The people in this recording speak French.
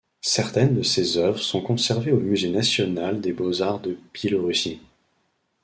Certaines de ses œuvres sont conservées au Musée national des beaux-arts de Biélorussie.